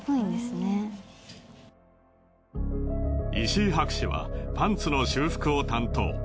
石井博士はパンツの修復を担当。